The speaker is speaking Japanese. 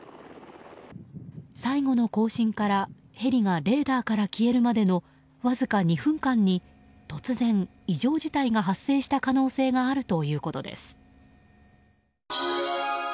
最後の交信からヘリがレーダーから消えるまでのわずか２分間に突然、異常事態が発生した可能性があるということです。